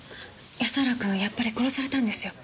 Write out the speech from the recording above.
安原君やっぱり殺されたんですよ。